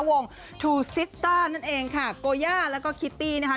วงทูซิสต้านั่นเองค่ะโกย่าแล้วก็คิตตี้นะคะ